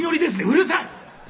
うるさい！」